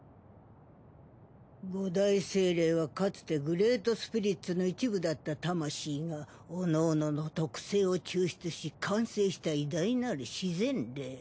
五大精霊はかつてグレートスピリッツの一部だった魂がおのおのの特性を抽出し完成した偉大なる自然霊。